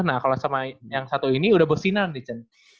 nah kalau sama yang satu ini udah bosinan di cen